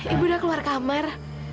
ibu udah keluar kamar